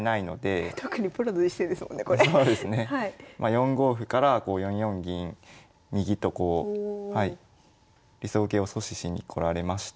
４五歩から４四銀右とこう理想形を阻止しに来られまして。